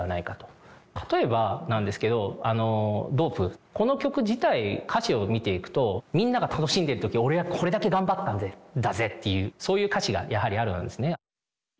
例えばなんですけどあの「ＤＯＰＥ」この曲自体歌詞を見ていくとみんなが楽しんでる時俺はこれだけ頑張ったぜっていうそういう歌詞がやはりあるんですね。